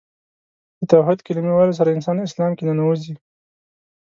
د توحید کلمې ویلو سره انسان اسلام کې ننوځي .